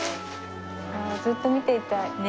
ああずっと見ていたい。